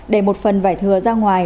để một phần vải thừa ra ngoài